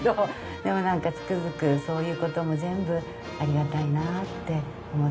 でもなんかつくづくそういう事も全部ありがたいなって思ってます。